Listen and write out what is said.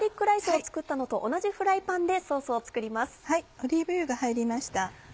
オリーブ油が入りました。